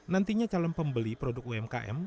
nantinya calon pembeli produk umkm